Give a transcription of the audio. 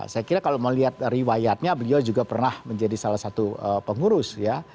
saya kira kalau melihat riwayatnya beliau juga pernah menjadi salah satu pengurus ya